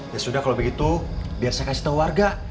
ya sudah kalau begitu biar saya kasih tahu warga